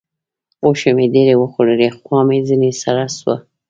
غوښې مې ډېرې وخوړلې؛ خوا مې ځينې سړه سوه.